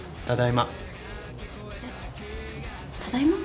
えただいま？